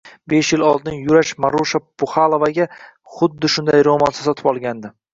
Besh yil oldin Yurash Marusha Puxalovaga xuddi shunday roʻmolcha sotib olgandi.